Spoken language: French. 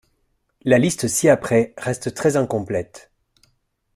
La liste ci-après reste très incomplète.